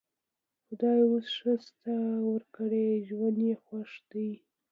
خدای اوس ښه شته ورکړ؛ ژوند یې خوښ دی.